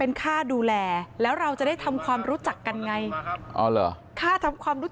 เอาเลยแบงค์หมื่นก็ได้โอ้โหด้วย